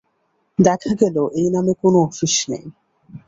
দেখা গেল এই নামে কোনো অফিস নেই।